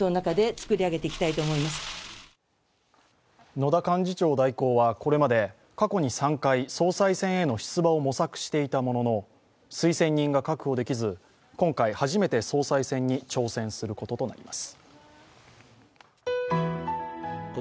野田幹事長代行はこれまで、過去に３回総裁選への出馬を模索していたものの推薦人が確保できず河野大臣を支援する議員の初会合が間もなく始まります。